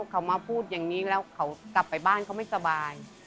เขามาพูดอย่างนี้แล้วเขากลับไปบ้านเขาไม่สบาย